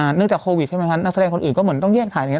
เนื่องจากโควิดใช่ไหมคะนักแสดงคนอื่นก็เหมือนต้องแยกถ่ายอย่างนี้